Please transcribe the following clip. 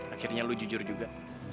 akhirnya lo jujur juga